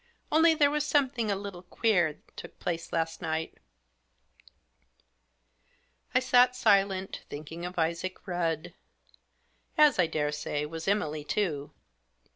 Only there was something a little queer took place last night." I sat silent, thinking of Isaac Rudd ; as, I daresay, was Emily too.